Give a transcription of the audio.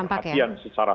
sangat terdampak ya